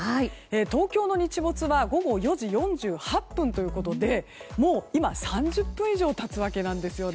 東京の日没は午後４時４８分ということでもう今３０分以上経つわけなんですよね。